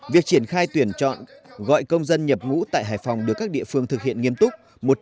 việc triển khai tuyển chọn gọi công dân nhập ngũ tại hải phòng được các địa phương thực hiện nghiêm túc